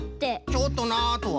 「ちょっとな」とは？